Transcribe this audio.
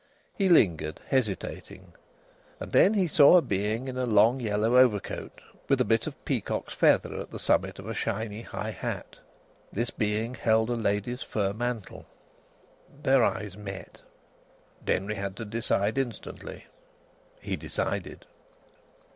He lingered, hesitating, and then he saw a being in a long yellow overcoat, with a bit of peacock's feather at the summit of a shiny high hat. This being held a lady's fur mantle. Their eyes met. Denry had to decide instantly. He decided.